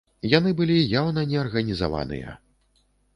Яны былі яўна неарганізаваныя.